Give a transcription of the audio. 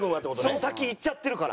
その先行っちゃってるから。